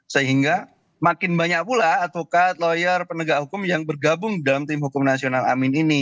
sehingga makin banyak pula advokat lawyer penegak hukum yang bergabung dalam tim hukum nasional amin ini